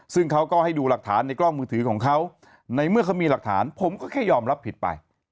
ซึ่งเขาก็ให้ดูหลักฐานในกล้องมือถือของเขาในเมื่อเขามีหลักฐานผมก็แค่ยอมรับผิดไป